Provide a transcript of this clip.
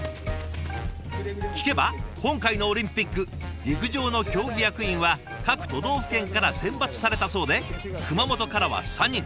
聞けば今回のオリンピック陸上の競技役員は各都道府県から選抜されたそうで熊本からは３人。